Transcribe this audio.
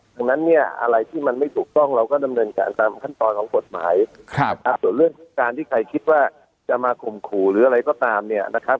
ดังนั้นเนี่ยอะไรที่มันไม่ถูกต้องเราก็ดำเนินการตามขั้นตอนของกฎหมายนะครับส่วนเรื่องการที่ใครคิดว่าจะมาข่มขู่หรืออะไรก็ตามเนี่ยนะครับ